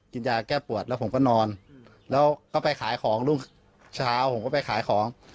กินยาแก้ปวดแล้วผมก็นอนแล้วก็ไปขายของรุ่งเช้าผมก็ไปขายของ